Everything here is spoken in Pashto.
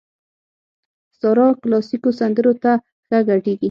سارا کلاسيکو سندرو ته ښه ګډېږي.